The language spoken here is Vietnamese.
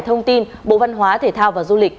thông tin bộ văn hóa thể thao và du lịch